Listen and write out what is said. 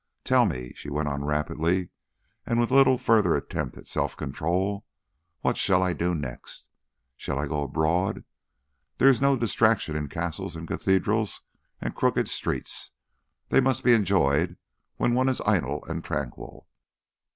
Tell me," she went on rapidly and with little further attempt at self control; "what shall I do next? Shall I go abroad? There is no distraction in castles and cathedrals and crooked streets; they must be enjoyed when one is idle and tranquil.